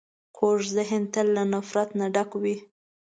کوږ ذهن تل له نفرت نه ډک وي